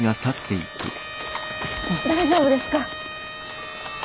大丈夫ですか？